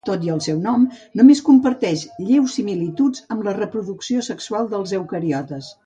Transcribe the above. Tot i el seu nom només comparteix lleus similituds amb la reproducció sexual dels eucariotes.